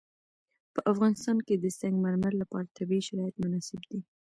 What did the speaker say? په افغانستان کې د سنگ مرمر لپاره طبیعي شرایط مناسب دي.